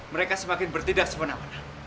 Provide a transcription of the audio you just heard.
mereka semakin bertindak sepanah panah